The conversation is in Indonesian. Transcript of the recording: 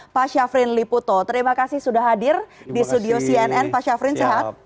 pak syafrin liputo terima kasih sudah hadir di studio cnn pak syafrin sehat